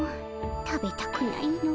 食べたくないの。